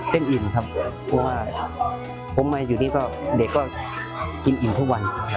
อิ่มครับเพราะว่าผมมาอยู่นี่ก็เด็กก็กินอิ่มทุกวัน